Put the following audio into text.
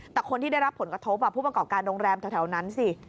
แต่คนที่ได้รับผลกระทบผู้ประกอบการโรงแรมแถวนั้นสิ